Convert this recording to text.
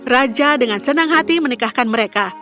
raja dengan senang hati menikahkan mereka